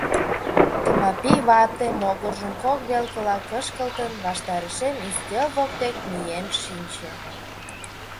Тмапий вате, могыржым кок велкыла кышкылтын, ваштарешем ӱстел воктек миен шинче.